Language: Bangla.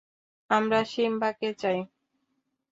আমরা সিম্বাকে চাই!